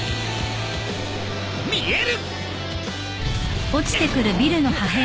見える！